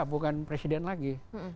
bukan presiden lagi